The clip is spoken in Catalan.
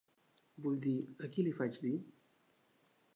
Vull dir, a qui li faig dir?